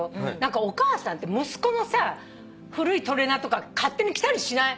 お母さんって息子のさ古いトレーナーとか勝手に着たりしない？